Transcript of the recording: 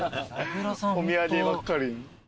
お土産ばっかり。